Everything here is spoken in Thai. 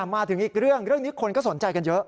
มาถึงอีกเรื่องเรื่องนี้คนก็สนใจกันเยอะ